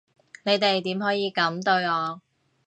你哋點可以噉對我？